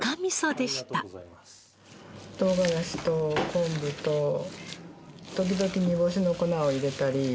唐辛子と昆布と時々煮干しの粉を入れたり。